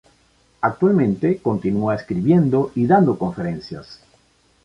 Actualmente continúa escribiendo y dando conferencias.